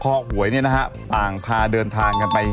พอหวยเนี่ยนะฮะต่างพาเดินทางกันไป